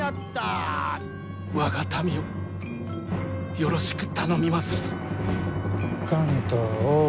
我が民をよろしく頼みまするぞ。